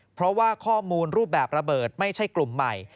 เพราะว่าข้อมูลรูปแบบระเบิดไม่ใช่กลุ่มใหม่